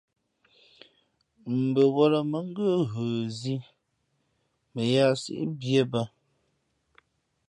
Mbαwᾱlᾱ mα̌ ngə́ ghə zǐ mα yāā síʼ mbīē bᾱ.